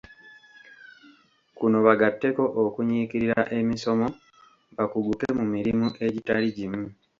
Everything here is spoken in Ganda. Kuno bagatteko okunyiikirira emisomo bakuguke mu mirimu egitali gimu.